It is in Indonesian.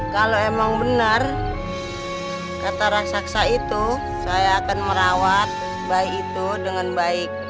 kalau emang benar kata raksaksa itu saya akan merawat bayi itu dengan baik